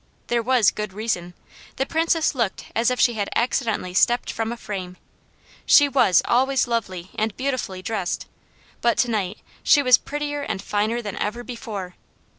There was good reason. The Princess looked as if she had accidentally stepped from a frame. She was always lovely and beautifully dressed, but to night she was prettier and finer than ever before.